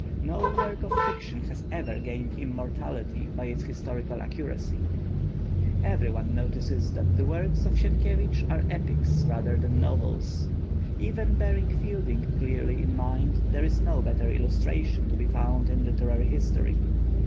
No work of fiction has ever gained immortality by its historical accuracy. Everyone notices that the works of Sienkiewicz are Epics rather than Novels. Even bearing Fielding clearly in mind, there is no better illustration to be found in literary history.